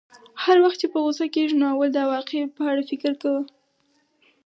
هر وخت چې په غوسه کېږې نو اول د عواقبو په اړه فکر کوه.